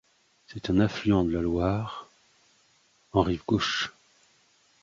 C'est un affluent de la Loire en rive gauche.